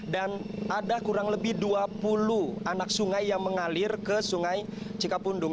dan ada kurang lebih dua puluh anak sungai yang mengalir ke sungai cikapundung